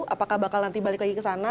apakah bakal nanti balik lagi ke sana